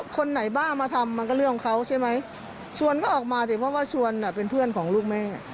คนไหนบ้างมาทำมันก็เรื่องของเขาใช่ไหมชวนเขาออกมาสิเพราะว่าชวนเป็นเพื่อนของลูกแม่